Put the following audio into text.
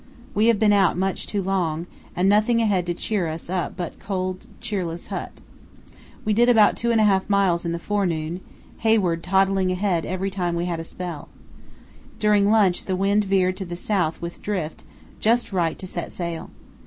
We have been out much too long, and nothing ahead to cheer us up but a cold, cheerless hut. We did about two and a half miles in the forenoon; Hayward toddling ahead every time we had a spell. During lunch the wind veered to the south with drift, just right to set sail.